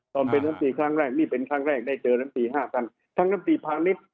ตอนเป็นรัมตีครั้งแรกนี่เป็นครั้งแรกได้เจอรัมตีห้าสั้นทั้งรัมตีพาณิชย์